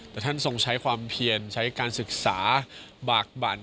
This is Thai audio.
แต่ท่านทรงใช้ความเพียรใช้การศึกษาบากบั่น